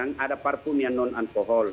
yang ada parfum yang non alkohol